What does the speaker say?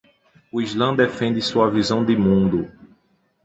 O islã defende sua visão de mundo